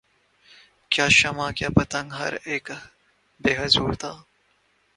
کیا شمع کیا پتنگ ہر اک بے حضور تھا